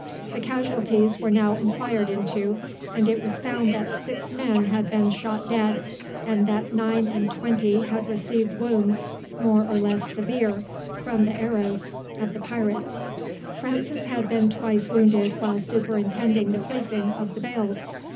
The casualties were now inquired into, and it was found that six men had been shot dead, and that nine and twenty had received wounds more or less severe from the arrows of the pirates. Francis had been twice wounded while superintending the placing of the bales.